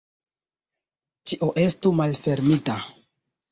Ĉio estu malfermita.